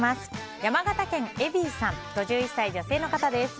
山形県５１歳女性の方です。